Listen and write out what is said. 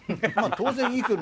当然いい車